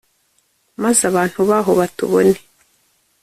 maze abantu baho batubone